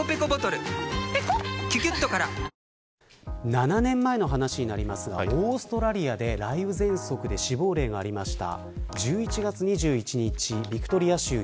７年前の話になりますがオーストラリアで雷雨ぜんそくで死亡例がありました。